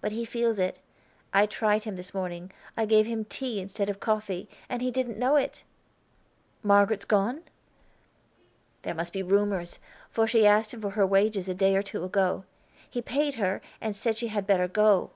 But he feels it. I tried him this morning, I gave him tea instead of coffee, and he didn't know it!" "Margaret's gone?" "There must be rumors; for she asked him for her wages a day or two ago. He paid her, and said she had better go."